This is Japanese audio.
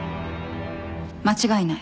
間違いない。